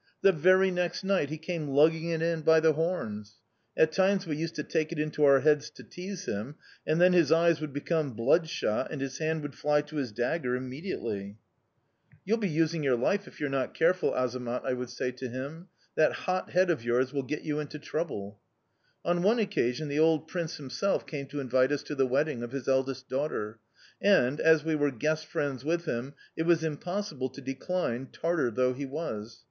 The very next night he came lugging it in by the horns! At times we used to take it into our heads to tease him, and then his eyes would become bloodshot and his hand would fly to his dagger immediately. "'You'll be losing your life if you are not careful, Azamat,' I would say to him. 'That hot head of yours will get you into trouble.' "On one occasion, the old prince himself came to invite us to the wedding of his eldest daughter; and, as we were guest friends with him, it was impossible to decline, Tartar though he was.